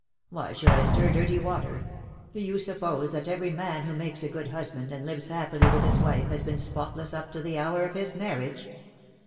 '^Why should I stir dirty water? Do you suppose that every man who makes a good husband and lives happily with his wife has been spotless up to the hour of his marriage